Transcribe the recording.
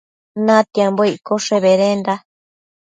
Natiambo iccoshe bedenda